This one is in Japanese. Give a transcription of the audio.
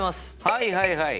はいはいはい！